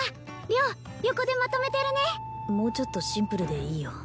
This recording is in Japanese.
良横でまとめてるねもうちょっとシンプルでいいよ